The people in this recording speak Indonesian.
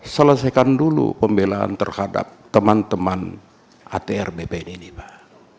selesaikan dulu pembelaan terhadap teman teman atr bpn ini pak